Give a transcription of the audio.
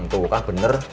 tuh kan bener